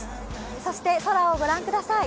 そして空を御覧ください。